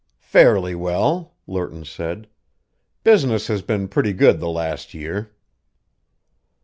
"Fairly well," Lerton said. "Business has been pretty good the last year."